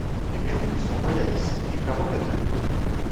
Les Méroul sont royalistes et fervents catholiques.